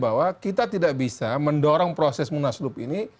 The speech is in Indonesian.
bahwa kita tidak bisa mendorong proses munaslup ini